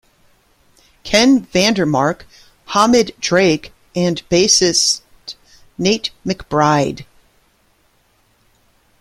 Ken Vandermark, Hamid Drake, and bassist Nate McBride.